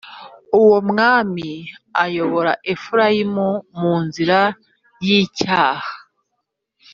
Uwo mwami ayobora Efurayimu mu nzira y’icyaha.